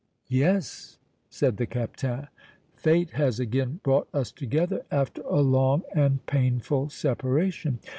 "Yes," said the Captain, "Fate has again brought us together after a long and painful separation."